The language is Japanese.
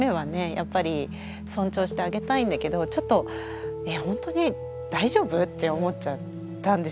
やっぱり尊重してあげたいんだけどちょっと「本当に大丈夫？」って思っちゃったんですよ。